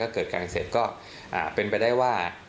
ก็เกิดการอักเสบก็เป็นไปได้ว่า